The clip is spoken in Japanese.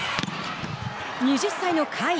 ２０歳の甲斐。